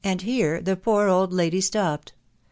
79 But here the poor old lady stopped.